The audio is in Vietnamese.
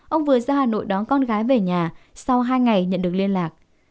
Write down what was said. ông vừa ra hà nội đón con gái về nhà sau hai ngày nhận được liên lạc